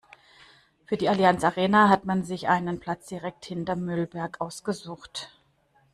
Für die Allianz-Arena hat man sich einen Platz direkt hinterm Müllberg ausgesucht.